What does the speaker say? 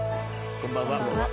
こんばんは。